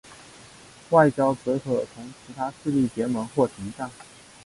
外交则可同其他势力结盟或停战。